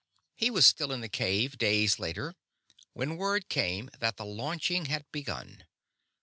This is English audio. He was still in the cave, days later, when word came that the launching had begun.